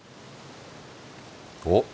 おっ。